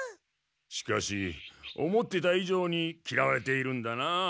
しかし思ってたいじょうにきらわれているんだなあ。